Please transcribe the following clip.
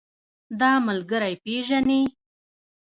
دا ملګری پيژنې؟